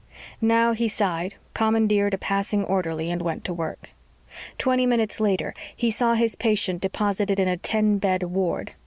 Now he sighed, commandeered a passing orderly, and went to work. Twenty minutes later he saw his patient deposited in a ten bed ward.